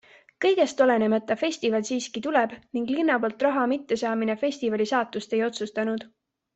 Kõigest olenemata festival siiski tuleb ning linna poolt raha mittesaamine festivali saatust ei otsustanud.